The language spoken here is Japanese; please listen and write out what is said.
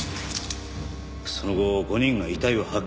その後５人が遺体を発見した際。